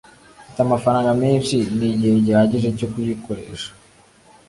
mfite amafaranga menshi nigihe gihagije cyo kuyikoresha